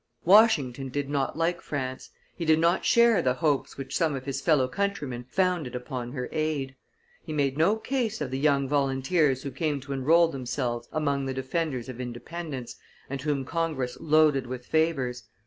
Washington did not like France; he did not share the hopes which some of his fellow countrymen founded upon her aid; he made no case of the young volunteers who came to enroll themselves among the defenders of independence, and whom Congress loaded with favors.